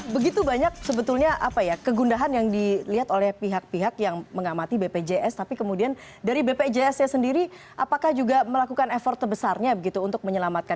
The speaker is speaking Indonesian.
begitu banyak sebetulnya apa ya kegundahan yang dilihat oleh pihak pihak yang mengamati bpjs tapi kemudian dari bpjs nya sendiri apakah juga melakukan effort terbesarnya begitu untuk menyelamatkan